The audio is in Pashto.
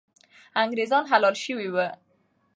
انګریزان حلال سوي وو.